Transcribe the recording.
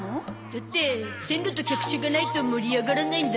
だって線路と客車がないと盛り上がらないんだもん。